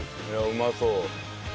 うまそう。